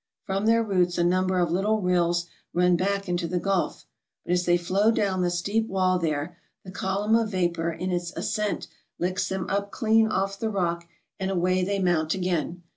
From their roots a number of little rills run back into the gulf, but, as they flow down the steep wall there, the column of vapor, in its ascent, licks them up clean off the rock, and away they mount again.